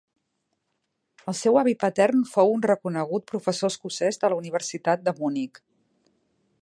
El seu avi patern fou un reconegut professor escocès de la Universitat de Munic.